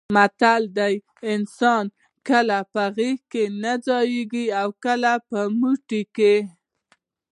متل دی: انسان کله په غېږه کې نه ځایېږي اوکله په موټي کې.